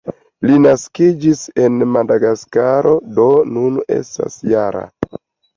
Li naskiĝis en Madagaskaro, do nun estas -jara.